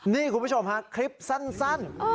นี่คุณผู้ชมฮะคลิปสั้น